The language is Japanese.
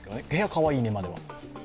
部屋かわいいね、までは。